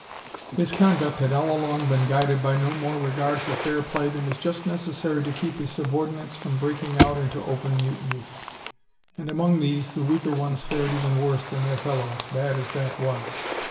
His conduct had all along been guided by no more regard for fair play than was just necessary to keep his subordinates from breaking out into open mutiny; and among these the weaker ones fared even worse than their fellows, bad as that was.